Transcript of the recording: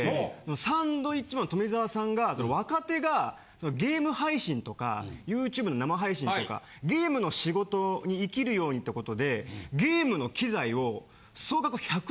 サンドウィッチマン富澤さんが若手がゲーム配信とかＹｏｕＴｕｂｅの生配信とかゲームの仕事にいきるようにってことで。